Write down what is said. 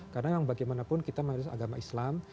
karena bagaimanapun kita mengandung agama islam